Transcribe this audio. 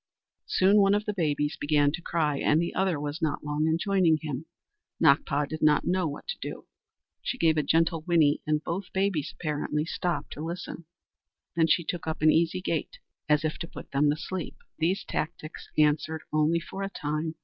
Soon one of the babies began to cry, and the other was not long in joining him. Nakpa did not know what to do. She gave a gentle whinny and both babies apparently stopped to listen; then she took up an easy gait as if to put them to sleep. These tactics answered only for a time.